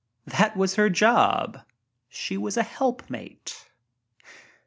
That was her job she was a helpmate.